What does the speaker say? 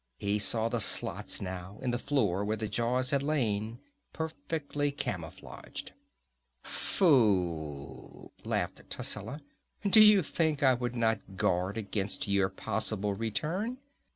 He saw the slots now, in the floor where the jaws had lain, perfectly camouflaged. "Fool!" laughed Tascela. "Did you think I would not guard against your possible return?